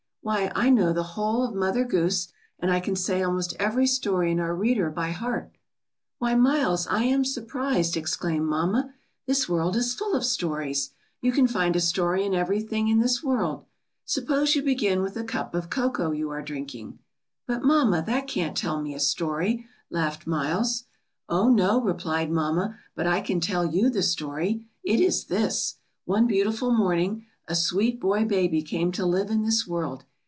Why, I know the whole of Mother Goose, and I can say almost every story in our reader by heart." "Why, Miles, I am surprised," exclaimed mamma. "This world is full of stories. You can find a story in everything in this world. Suppose you begin with the cup of cocoa you are drinking?" "But, mamma, that canT tell me a story," laughed Miles. "0 no, replied mamma, "but I can tell you the story. It is this. One beautiful morning a sweet boy baby came to live in this world.